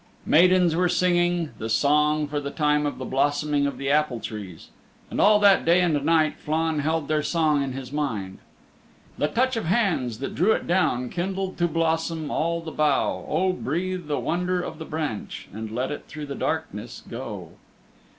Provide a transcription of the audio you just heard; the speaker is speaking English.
Maidens were singing the "Song for the Time of the Blossoming of the Apple trees" and all that day and night Flann held their song in his mind The touch of hands that drew it down Kindled to blossom all the bough O breathe the wonder of the branch, And let it through the darkness go!